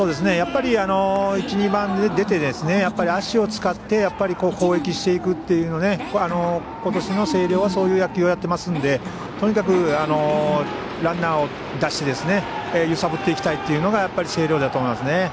１、２番が出て足を使って攻撃していくというので今年の星稜はそういう野球をやってますのでとにかく、ランナーを出して揺さぶっていきたいというのが星稜だと思いますね。